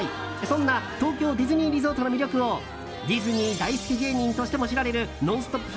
そんな東京ディズニーリゾートの魅力をディズニー大好き芸人としても知られる「ノンストップ！」